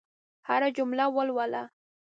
هره جمله ولوله.